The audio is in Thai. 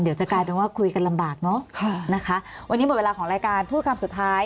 เดี๋ยวจะกลายเป็นว่าคุยกันลำบากเนอะค่ะนะคะวันนี้หมดเวลาของรายการพูดคำสุดท้าย